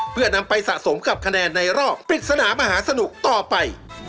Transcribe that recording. เพื่อนำไปสะสมกับคะแนนในรอบปริศนามหาสนุกต่อไป